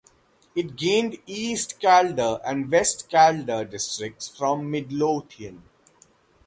It gained East Calder and West Calder districts from Midlothian.